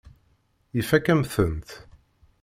Ifakk-am-tent.